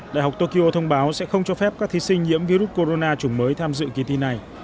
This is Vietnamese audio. đại học tokyo thông báo sẽ không cho phép các thí sinh nhiễm virus corona chủng mới tham dự kỳ thi này